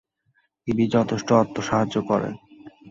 তিনি যথেষ্ট অর্থসাহায্য করেন।